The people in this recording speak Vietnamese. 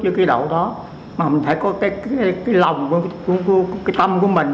mà mình phải có cái lòng cái tâm của mình